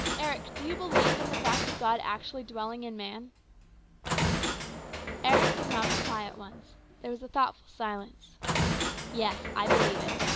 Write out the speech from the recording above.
Eric, do you believe in the fact of God actually dwelling in man ?" Eric did not reply at once. There was a thoughtful silence. " Yes, I believe it.